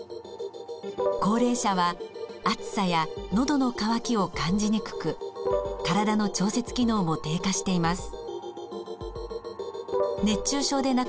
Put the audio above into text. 高齢者は暑さやのどの渇きを感じにくく体の調節機能も低下しています。